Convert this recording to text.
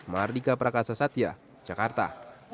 mardika prakasa satya jakarta